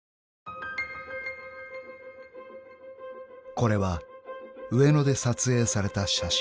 ［これは上野で撮影された写真］